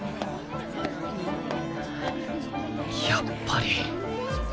やっぱり。